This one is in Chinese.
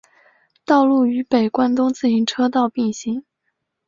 道路与北关东自动车道并行。